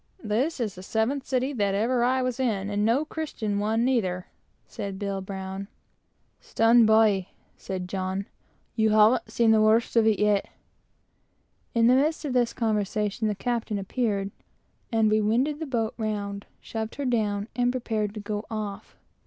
"This is the seventh city that ever I was in, and no Christian one neither," said Bill Brown. "Stand by!" said Tom, "you haven't seen the worst of it yet." In the midst of this conversation the captain appeared; and we winded the boat round, shoved her down, and prepared to go off.